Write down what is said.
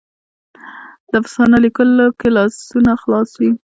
د افسانو لیکلو کې لاسونه خلاص وي.